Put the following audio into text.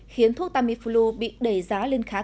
khiến thuốc tamiflu bị đẩy giá